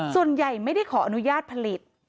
ส่วนใหญ่ไม่ได้ขออนุญาตผลิต